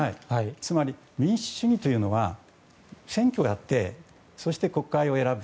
つまり、民主主義というのは選挙をやってそして、国会を選ぶ。